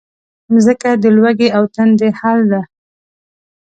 مځکه د لوږې او تندې حل ده.